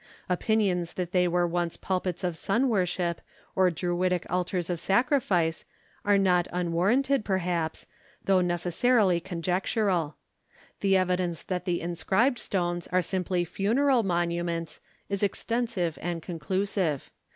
Opinions that they were once pulpits of sun worship, or Druidic altars of sacrifice, are not unwarranted, perhaps, though necessarily conjectural. The evidence that the inscribed stones are simply funeral monuments, is extensive and conclusive.